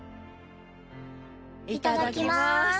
いただきます。